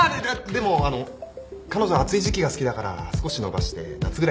でもあの彼女暑い時季が好きだから少し延ばして夏ぐらいに。